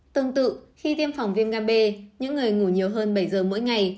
tương tự khi tiêm phòng viêm gam b những người ngủ nhiều hơn bảy giờ mỗi ngày